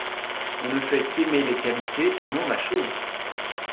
On ne fait qu'aimer les qualités et non la chose.